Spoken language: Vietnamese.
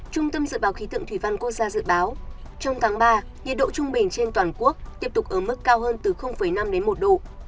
trung tâm dự báo khí tượng thủy văn quốc gia dự báo trong tháng ba nhiệt độ trung bình trên toàn quốc tiếp tục ở mức cao hơn từ năm đến một độ